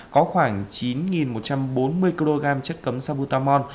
có khoảng chín một trăm bốn mươi kg chất cấm sabutamon